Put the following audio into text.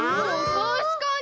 たしかに！